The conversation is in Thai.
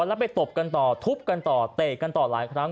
แล้วไปตบกันต่อทุบกันต่อเตะกันต่อหลายครั้ง